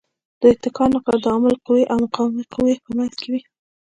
د اتکا نقطه د عامل قوې او مقاومې قوې په منځ کې وي.